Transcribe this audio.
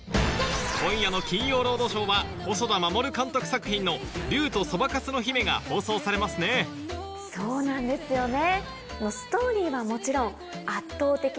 今夜の『金曜ロードショー』は細田守監督作品の『竜とそばかすの姫』が放送されますねそうなんですよね。